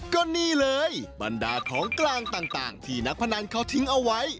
ก็นี่เลยบรรดาของกลางต่างที่นักพนันเขาทิ้งเอาไว้